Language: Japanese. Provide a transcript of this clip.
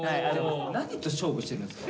何と勝負してるんですか？